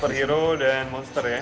superhero dan monster ya